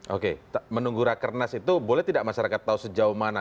oke menunggu rakernas itu boleh tidak masyarakat tahu sejauh mana